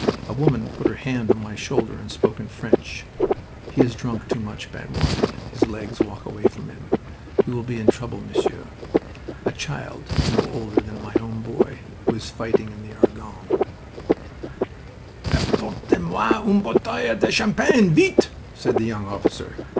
A woman put her hand on my shoulder and spoke in French. "He has drunk too much bad wine. His legs walk away from him. He will be in trouble, Monsieur. And a child no older than my own boy who is fighting in the Argonne." "Apportez moi une bouteille de champagne, vite!..." said the young officer.